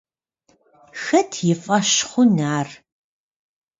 Xet yi f'eş xhun ar?